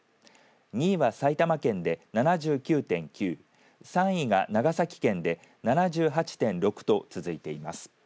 ２位は埼玉県で７９．９３位が長崎県で７８．６と続いています。